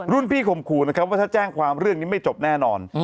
พี่ข่มขู่นะครับว่าถ้าแจ้งความเรื่องนี้ไม่จบแน่นอน